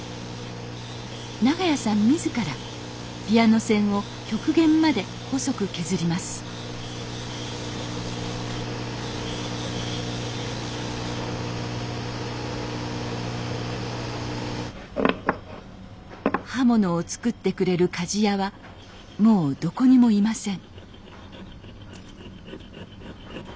長屋さん自らピアノ線を極限まで細く削ります刃物をつくってくれる鍛冶屋はもうどこにもいません